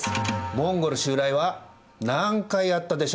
モンゴル襲来は何回あったでしょうか？